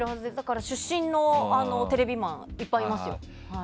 出身のテレビマンいっぱいいますよ。